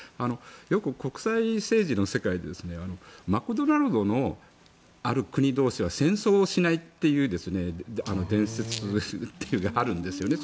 よく国際政治の世界でマクドナルドのある国同士は戦争をしないっていう伝説というか、あるんですね。